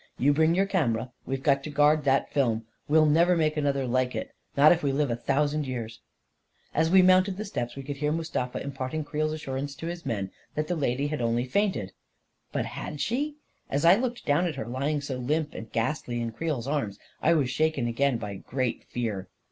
" You bring your camera. We've got to guard that film — we'll never make another like it — not if we live a thousand years !" As we mounted the steps, we could hear Mustafa imparting Creel's assurance to his men — that the lady had only fainted. But had she ? As I looked down at her, lying so limp and ghastly in Creel's arms, I was shaken again by a great fear.